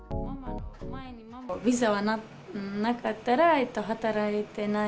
ビザはなかったら、働いてな